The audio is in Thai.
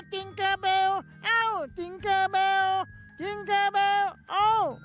จิงเกอร์เบลเอ้าจิงเกอร์เบลจริงเกอร์เบลเอ้า